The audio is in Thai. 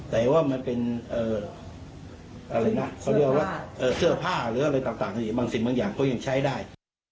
แต่ว่ามันเป็นเสื้อผ้าหรืออะไรต่างบางสิ่งบางอย่างเขายังใช้ได้